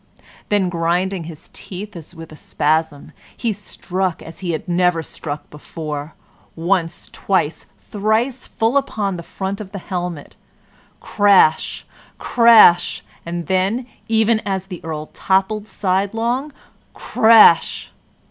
Then, grinding his teeth as with a spasm, he struck as he had never struck before once, twice, thrice full upon the front of the helmet. Crash! crash! And then, even as the Earl toppled sidelong, crash!